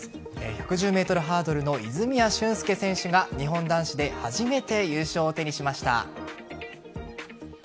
１１０ｍハードルの泉谷駿介選手が日本男子で初めて優勝を手にしました。